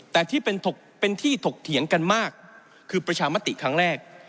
แต่ที่เป็นที่ถกเถียงกันมากคือประชามติครั้งแรก